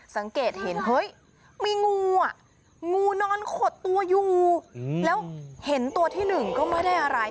สังเกตเห็นเฮ้ยมีงูอ่ะงูนอนขดตัวอยู่แล้วเห็นตัวที่หนึ่งก็ไม่ได้อะไร